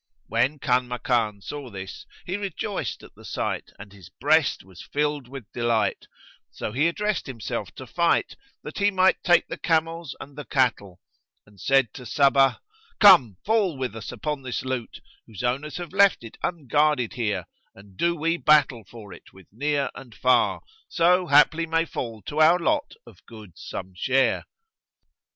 When Kanmakan saw this, he rejoiced at the sight and his breast was filled with delight; so he addressed himself to fight, that he might take the camels and the cattle, and said to Sabbah, "Come, fall with us upon this loot, whose owners have left it unguarded here, and do we battle for it with near and far, so haply may fall to our lot of goods some share."